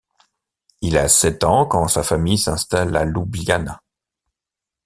Il a sept ans quand sa famille s’installe à Ljubljana.